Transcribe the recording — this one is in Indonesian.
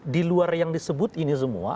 di luar yang disebut ini semua